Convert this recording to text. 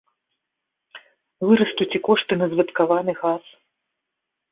Вырастуць і кошты на звадкаваны газ.